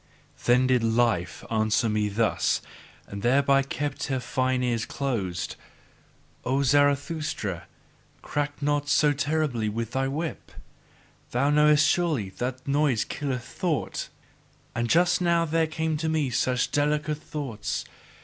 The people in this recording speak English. Then did Life answer me thus, and kept thereby her fine ears closed: "O Zarathustra! Crack not so terribly with thy whip! Thou knowest surely that noise killeth thought, and just now there came to me such delicate thoughts.